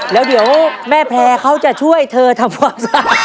แล้วเดี๋ยวแม่แผลเขาจะช่วยเธอทำฝักสาว